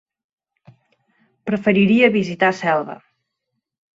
Preferiria visitar Selva.